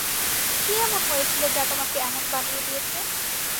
কি এমন হয়েছিল যা তোমাকে এমন বানিয়ে দিয়েছে?